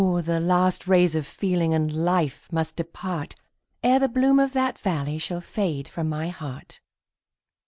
the last rays of feeling and life must depart, Ere the bloom of that valley shall fade from my heart.